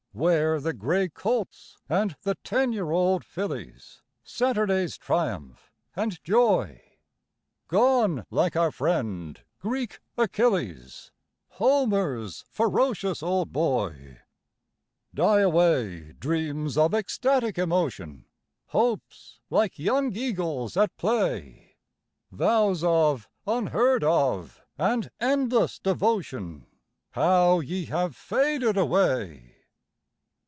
Where the gray colts and the ten year old fillies, Saturday's triumph and joy? Gone, like our friend ( Greek ) Achilles, Homer's ferocious old boy. Die away dreams of ecstatic emotion, Hopes like young eagles at play, Vows of unheard of and endless devotion, How ye have faded away!